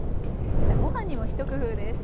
ご飯にも一工夫です。